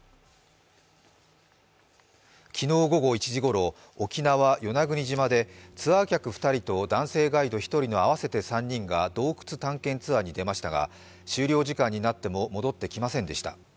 昨日午後１時ごろ、沖縄・与那国島でツアー客２人と男性ガイド１人の合わせて３人が洞窟探検ツアーに出ましたが終了時間になっても戻ってきませんでした。